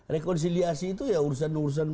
rekonsiliasi itu ya urusan urusan